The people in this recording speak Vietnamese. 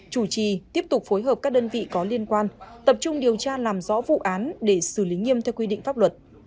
chủ trì tiếp tục phối hợp các đơn vị có liên quan tập trung điều tra làm rõ vụ án để xử lý nghiêm theo quy định pháp luật